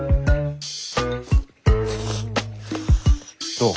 どう？